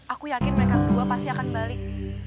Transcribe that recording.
aku yakin mereka berdua pasti akan balik